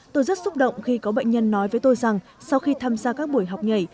tôi rất xúc động khi có bệnh nhân nói với tôi rằng sau khi tham gia các buổi học nhảy